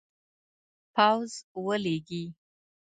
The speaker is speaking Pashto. پوځ ولیږي.